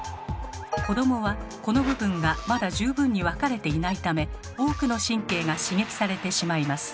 子どもはこの部分がまだ十分に分かれていないため多くの神経が刺激されてしまいます。